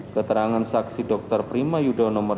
keterangan saksi dr prima yudho nomor dua puluh dua lima